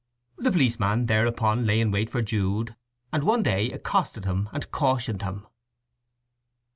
The policeman thereupon lay in wait for Jude, and one day accosted him and cautioned him.